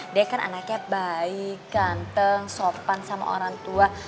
dia kan anaknya baik ganteng sopan sama orang tua